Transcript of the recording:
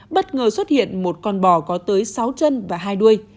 bất ngờ xuất hiện một con bò có tới sáu chân và hai đuôi